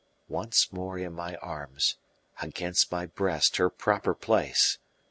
Once more in my arms against my breast, her proper place!